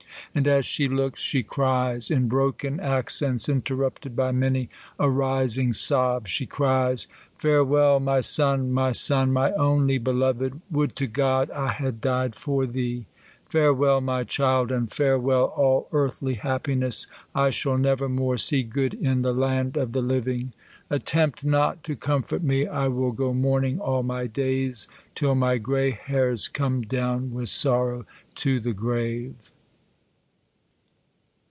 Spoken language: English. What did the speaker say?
And as she looks, she cries ; in broken accents, interrupted by many a rising sob, she cries, Farewell, my son ! my son ! my only beloved ! would to God I had died for thee ! Farewell, my child ! and farewell all earthly happiness ! I shall never more see good in the land of the living. Attempt not to comfort me. I will go mourning all my days, till my grey hairs come down with sorrow to the grave.